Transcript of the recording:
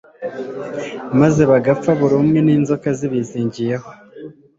maze bagapfa barumwe n'inzoka zibizingiyeho